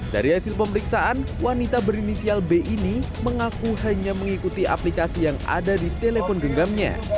dari hasil pemeriksaan wanita berinisial b ini mengaku hanya mengikuti aplikasi yang ada di telepon genggamnya